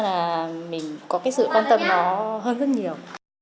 tâm ra là mình có sự quan tâm nó hơn rất nhiều